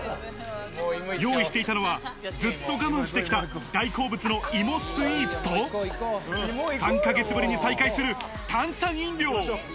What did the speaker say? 用意していたのはずっと我慢してきた大好物の芋スイーツと、３ヶ月ぶりに再会する炭酸飲料。